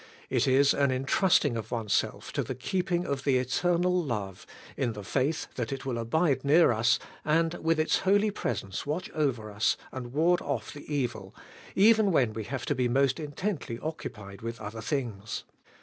It is an entrusting of oneself to the keeping of the Eternal Love, in the faith that it will abide near us, and with its holy presence watch over us and ward off the evil, even when we have to be most intently occupied with other things.